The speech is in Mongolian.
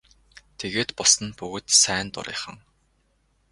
Тэгээд бусад нь бүгд сайн дурынхан.